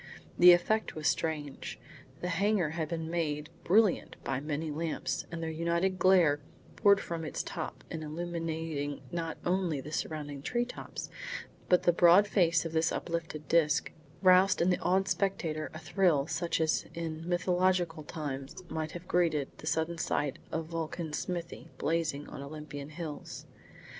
The effect was strange. The hangar had been made brilliant by many lamps, and their united glare pouring from its top and illuminating not only the surrounding treetops but the broad face of this uplifted disc, roused in the awed spectator a thrill such as in mythological times might have greeted the sudden sight of Vulcan's smithy blazing on Olympian hills.